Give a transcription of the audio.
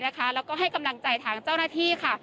แล้วก็ให้กำลังใจทางเจ้าหน้าที่ค่ะ